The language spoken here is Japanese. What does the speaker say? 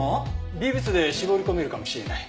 微物で絞り込めるかもしれない。